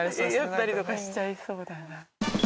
やったりとかしちゃいそうだな。